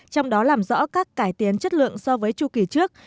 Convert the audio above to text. trong đó làm rõ các cải tiến chất lượng so với chu kỳ trước